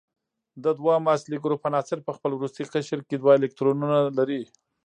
د دویم اصلي ګروپ عناصر په خپل وروستي قشر کې دوه الکترونونه لري.